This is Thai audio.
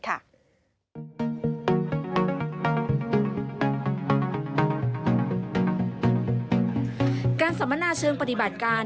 สัมมนาเชิงปฏิบัติการ